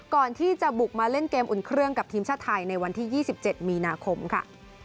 ก่อนที่จะบุกมาเล่นเกมอุ่นเครื่องกับทีมชาติไทยในวันที่๒๗มีนาคมค่ะ